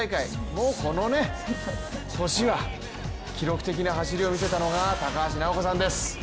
もうね、この年は、記録的な走りを見せたのが高橋尚子さんです。